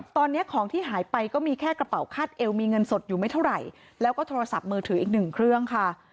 ตอนนี้ของที่หายไปก็มีแค่กระเป๋าคาดเอวมีเงินสดอยู่ไม่เท่าไหร่แล้วก็โทรศัพท์มือถืออีกหนึ่งเครื่องค่ะ